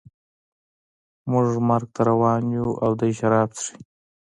موږ مرګ ته روان یو او دی شراب څښي